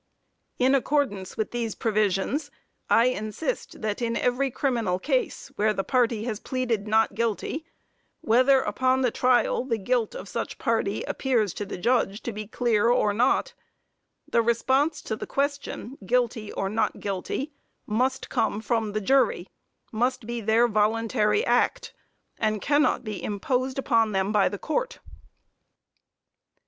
In accordance with these provisions, I insist that in every criminal case, where the party has pleaded not guilty, whether upon the trial the guilt of such party appears to the Judge to be clear or not, the response to the question, guilty or not guilty, must come from the jury, must be their voluntary act, and cannot be imposed upon them by the Court.